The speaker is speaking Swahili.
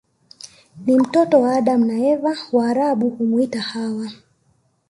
Ni watoto wa Adamu na Eva Waarabu humuita Hawa